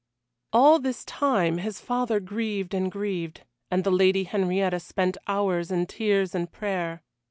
All this time his father grieved and grieved, and the Lady Henrietta spent hours in tears and prayer.